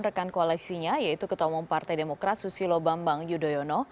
rekan koalisinya yaitu ketamu partai demokrat susilo bambang yudhoyono